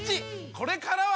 これからは！